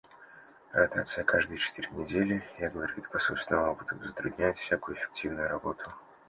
Ротация каждые четыре недели, я говорю это по собственному опыту, затрудняет всякую эффективную работу.